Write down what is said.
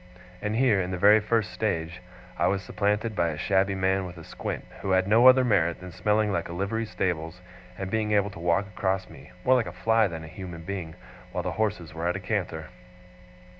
And here, in the very first stage, I was supplanted by a shabby man with a squint, who had no other merit than smelling like a livery stables, and being able to walk across me, more like a fly than a human being, while the horses were at a canter!